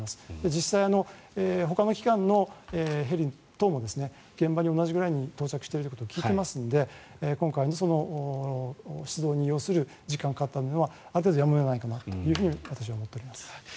実際、ほかの機関のヘリ等も到着していると聞いていますので今回、出動に要する時間がかかったのはある程度やむを得ないかなと私は思っています。